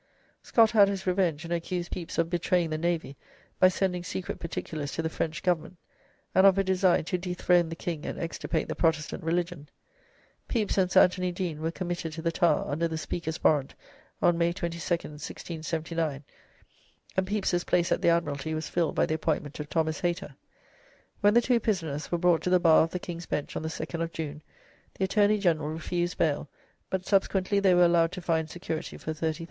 Scott had his revenge, and accused Pepys of betraying the Navy by sending secret particulars to the French Government, and of a design to dethrone the king and extirpate the Protestant religion. Pepys and Sir Anthony Deane were committed to the Tower under the Speaker's warrant on May 22nd, 1679, and Pepys's place at the Admiralty was filled by the appointment of Thomas Hayter. When the two prisoners were brought to the bar of the King's Bench on the 2nd of June, the Attorney General refused bail, but subsequently they were allowed to find security for L30,000.